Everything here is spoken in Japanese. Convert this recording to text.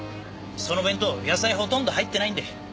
その弁当野菜ほとんど入ってないんで。